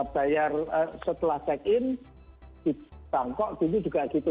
bayar setelah check in ditangkok dulu juga gitu